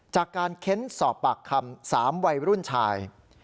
เค้นสอบปากคำ๓วัยรุ่นชาย